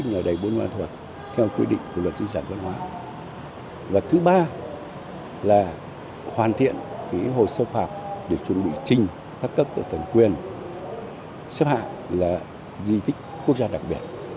ngày một mươi tháng bảy năm một nghìn chín trăm tám mươi nhà đầy buôn ma thuật đã được đặt cách xếp hạng di tích quốc gia đặc biệt